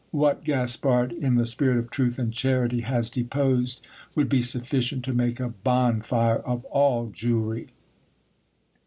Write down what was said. What Gaspard, in the spirit of truth and charity, has deposed, would be sufficient to make a bonfire of all Jewry.